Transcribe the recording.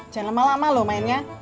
jangan lama lama loh mainnya